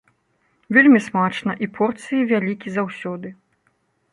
Вельмі смачна і порцыі вялікі заўсёды.